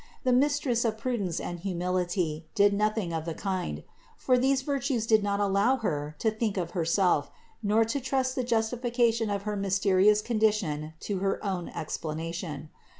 The Mistress of prudence and humility did nothing of the kind ; for these virtues did not allow Her to think of Herself, nor to trust the justification of her mysterious condition to her own explanation.